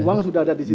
uang sudah ada di situ